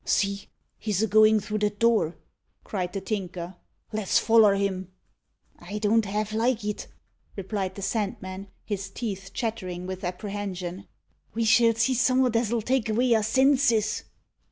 "See, he's a goin' through that door," cried the Tinker. "Let's foller him." "I don't half like it," replied the Sandman, his teeth chattering with apprehension. "We shall see summat as'll take avay our senses."